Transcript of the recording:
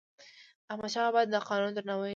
احمدشاه بابا د قانون درناوی کاوه.